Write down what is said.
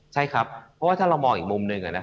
ใช่ครับเพราะว่าถ้าเรามองอีกมุมหนึ่ง